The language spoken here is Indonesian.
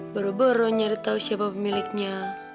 baru baru nyari tahu siapa pemiliknya